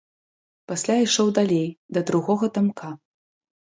Пасля ішоў далей, да другога дамка.